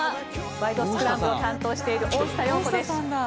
『ワイド！スクランブル』を担当している大下容子です。